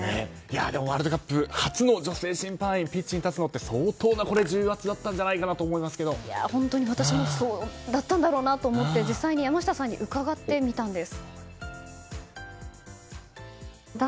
でも、ワールドカップ初の女性審判員ピッチに立つのって相当な重圧だったんじゃないかなと私もそうだったんだろうなと思って実際に山下さんに伺ってみたんです。